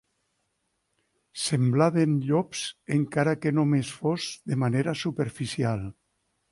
Semblaven llops, encara que només fos de manera superficial.